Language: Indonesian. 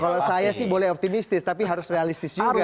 kalau saya sih boleh optimistis tapi harus realistis juga ya